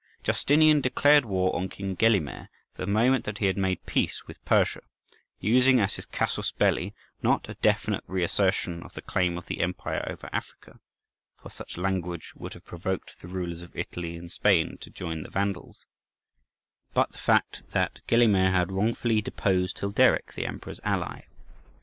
Justinian declared war on King Gelimer the moment that he had made peace with Persia, using as his casus belli, not a definite re assertion of the claim of the empire over Africa—for such language would have provoked the rulers of Italy and Spain to join the Vandals, but the fact that Gelimer had wrongfully deposed Hilderic, the Emperor's ally.